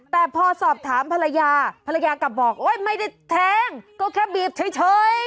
แต่พอสอบถามภรรยาภรรยากลับบอกโอ๊ยไม่ได้แทงก็แค่บีบเฉย